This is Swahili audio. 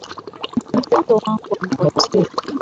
Watoto wangu wamepotea